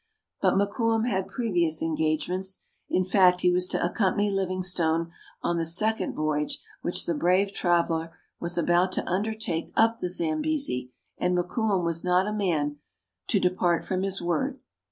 But Mokoum had previous engagements ; in fact, he was to accompany Livingstone on the second voyage which the brave traveller was about to undertake up the Zambesi, and Mokoum was not a man to depart from his word.